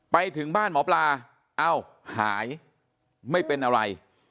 ไปถึงบ้านหมอปลาเอ้าหายไม่เป็นอะไร